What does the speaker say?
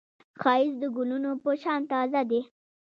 ښایست د ګلونو په شان تازه دی